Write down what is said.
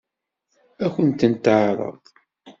Ad kent-ten-teɛṛeḍ?